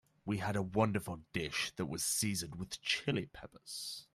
We had a wonderful dish that was seasoned with Chili Peppers.